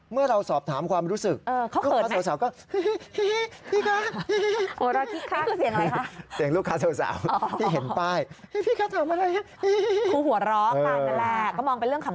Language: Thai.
เมื่อเราสอบถามความรู้สึก